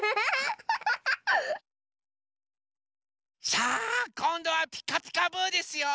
さあこんどは「ピカピカブ！」ですよ。